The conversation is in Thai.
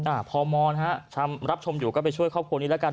เกิดขึ้นจริงอ่าพอมอนฮะรับชมอยู่ก็ไปช่วยครอบครัวนี้แล้วกัน